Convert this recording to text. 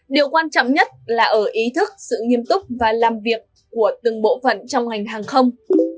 điều quan trọng nhất là ở ý thức sự nghiêm túc và làm việc của từng bộ phận trong ngành hàng không